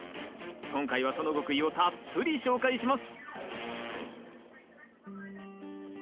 今回はその極意をたっぷり紹介します！